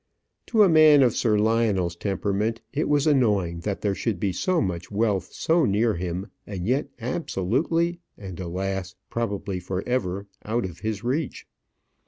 To a man of Sir Lionel's temperament, it was annoying that there should be so much wealth so near him, and yet absolutely, and, alas! probably for ever out of his reach.